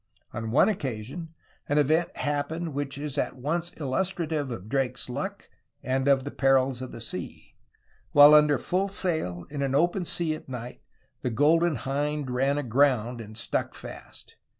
On one occasion an event happened which is at once illustrative of Drake's luck and of the perils of the sea. While under full sail in an open sea at night, the Golden Hind ran aground and stuck fast.